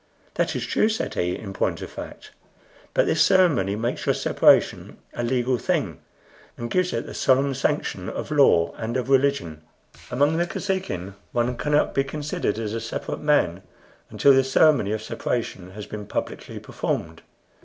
"That is true," said he, "in point of fact; but this ceremony makes your separation a legal thing, and gives it the solemn sanction of law and of religion. Among the Kosekin one cannot be considered as a separate man until the ceremony of separation has been publicly performed."